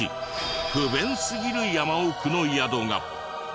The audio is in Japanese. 不便すぎる山奥の宿が。